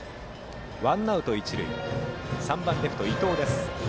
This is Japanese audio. ワンアウト、一塁で打席には３番レフト、伊藤です。